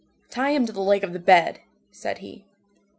"Tie him to the leg of the bed," said he.